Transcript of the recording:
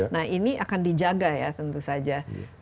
nah ini akan dijaga ya tentu saja